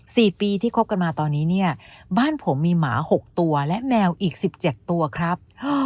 สี่ปีที่คบกันมาตอนนี้เนี่ยบ้านผมมีหมาหกตัวและแมวอีกสิบเจ็ดตัวครับ